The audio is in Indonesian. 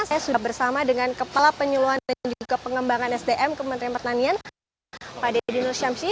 saya sudah bersama dengan kepala penyeluan dan juga pengembangan sdm kementerian pertanian pak deddy nusyamsi